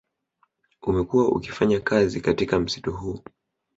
Umekuwa ukifanya kazi katika msitu huu